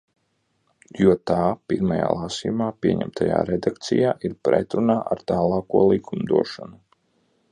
Jo tā pirmajā lasījumā pieņemtajā redakcijā ir pretrunā ar tālāko likumdošanu.